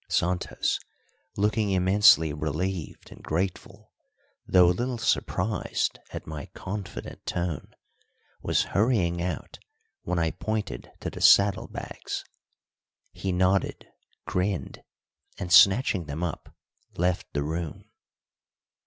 Santos, looking immensely relieved and grateful, though a little surprised at my confident tone, was hurrying out when I pointed to the saddle bags. He nodded, grinned, and, snatching them up, left the room.